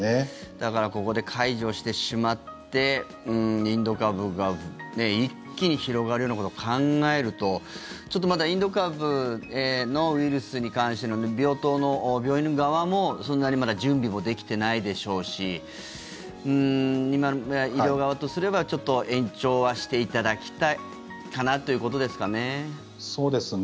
だからここで解除してしまってインド株が一気に広がるようなことを考えるとちょっとまだインド株のウイルスに関しての病院側もそんなにまだ準備もできてないでしょうし医療側とすれば延長はしていただきたいかなということですかね。